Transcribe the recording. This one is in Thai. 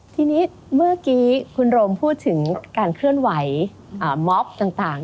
ทีนี้เมื่อกี้คุณโรมพูดถึงการเคลื่อนไหวมอบต่าง